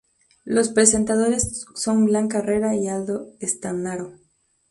Los Presentadores son Blanca Herrera y Aldo Stagnaro.